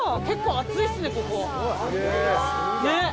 結構暑いっすね